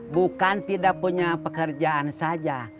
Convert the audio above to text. bukan tidak punya pekerjaan saja